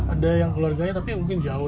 ada yang keluarganya tapi mungkin jauh